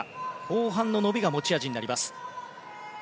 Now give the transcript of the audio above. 後半の伸びが持ち味になります。